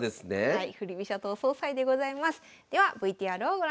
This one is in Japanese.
はい。